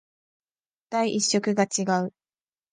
第一色が違う